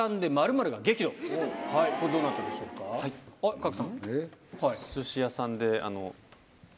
賀来さん。